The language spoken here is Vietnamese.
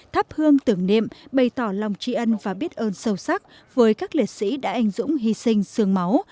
thắp hương tưởng niệm bày tỏ lòng trí ân và biết ơn sâu sắc với các lịch sĩ đã ảnh dũng hy sinh sương máu